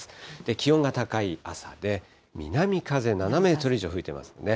気温が高い朝で、南風７メートル以上吹いていますね。